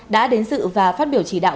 đã đến dự và phát biểu chỉ đạo